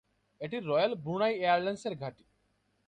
এটি royal Brunei এয়ারলাইন্স-এর ঘাঁটি।